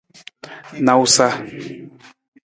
Nawusa.